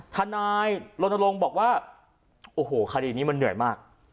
ทนายลนลงบอกว่าโอ้โหคดีนี้มันเหนื่อยมาก